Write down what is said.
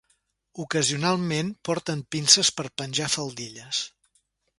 Ocasionalment porten pinces per penjar faldilles.